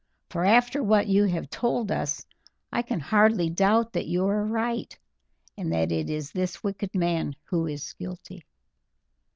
For after what you have told us I can hardly doubt that you are right, and that it is this wicked man who is guilty."